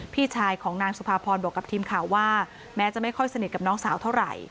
พี่ชายของนางสุภาพรบอกกับทีมข่าวว่าแม้จะไม่ค่อยสนิทกับน้องสาวเท่าไหร่